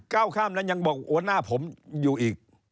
ก้าวข้ามแล้วยังบอกหัวหน้าผมอยู่อีก